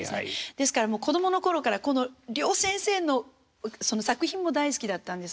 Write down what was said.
ですから子供の頃からこの両先生の作品も大好きだったんです。